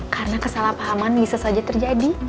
karena kesalahpahaman bisa saja terjadi